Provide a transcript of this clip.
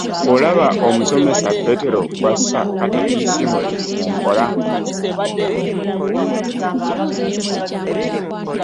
Olaba Omusomesa Petero bw'assa Katekismu mu nkola?